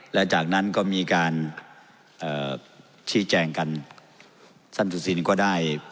และจากนั้นก็มีการเอ่อชี้แจงกันท่านสุซินก็ได้